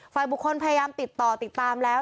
ฝ่ายบุคคลพยายามติดต่อติดตามแล้ว